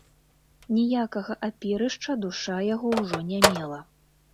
Ніякага апірышча душа яго ўжо не мела.